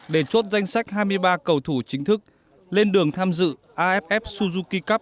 để chốt danh sách hai mươi ba cầu thủ chính thức lên đường tham dự aff suzuki cup hai nghìn một mươi tám